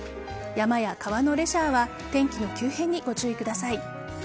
山や川のレジャーは天気の急変にご注意ください。